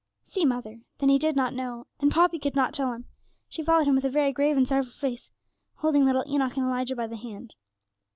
See mother! Then he did not know. And Poppy could not tell him. She followed him with a very grave and sorrowful face, holding little Enoch and Elijah by the hand.